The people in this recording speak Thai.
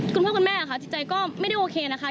คุณพ่อคุณแม่ค่ะจิตใจก็ไม่ได้โอเคนะคะ